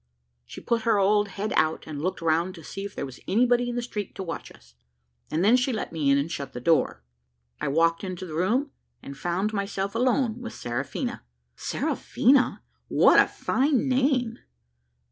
She put her old head out, and looked round to see if there was anybody in the street to watch us, and then she let me in and shut the door. I walked into the room, and found myself alone with Seraphina." "Seraphina! what a fine name!"